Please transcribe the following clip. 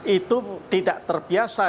itu tidak terbiasa